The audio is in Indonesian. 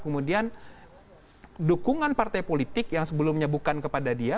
kemudian dukungan partai politik yang sebelumnya bukan kepada dia